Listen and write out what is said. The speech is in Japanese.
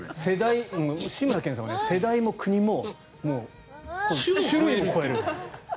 志村けんさんは世代も国も種類も超える。